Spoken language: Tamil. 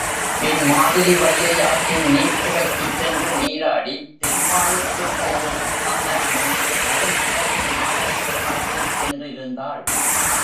பின் மாதரிவையை ஆற்றின் நீர்த்துறைக்குச் சென்று நீராடித் திருமாலுக்குப் பூவும், சந்தனமும், நறும் புகையும், மாலையும் சாத்தச் சென்றிருந்தாள்.